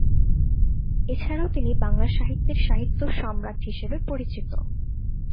এছাড়াও তিনি বাংলা সাহিত্যের সাহিত্য সম্রাট হিসেবে পরিচিত।